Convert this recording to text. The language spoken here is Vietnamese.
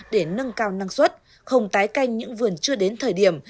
để nâng cao năng suất không tái canh những vườn chưa đến thời điểm